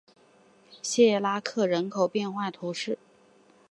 谢拉克人口变化图示